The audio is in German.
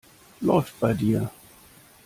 Läuft bei dir.